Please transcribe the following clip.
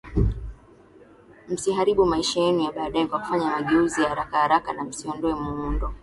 Msiharibu maisha yenu ya baadaye kwa kufanya mageuzi ya haraka haraka na msiondoe muundo